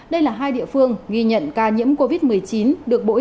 đây là hai địa phương ghi nhận ca nhiễm covid một mươi chín